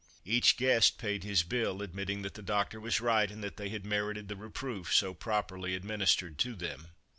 Each guest paid his bill, admitting that the doctor was right, and that they had merited the reproof so properly administered to them.